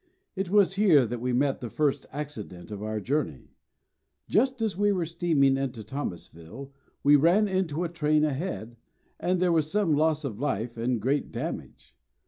It was here that we met the first accident of our journey. Just as we were steaming into Thomasville we ran into a train ahead, and there was some loss of life and great damage.